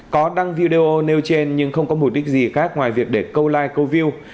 có đăng video nêu trên nhưng không có mục đích gì khác ngoài việc để câu like câu view